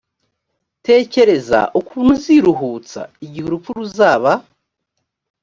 tekereza ukuntu uziruhutsa igihe urupfu ruzaba